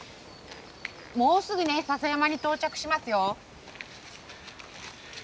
もうすぐね笹山に到着しますよ。